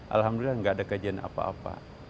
alhamdulillah gak ada kajian apa apa